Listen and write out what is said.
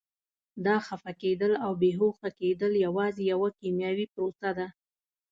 دا خفه کېدل او بې هوښه کېدل یوازې یوه کیمیاوي پروسه ده.